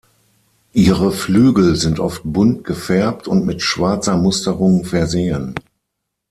Ihre Flügel sind oft bunt gefärbt und mit schwarzer Musterung versehen.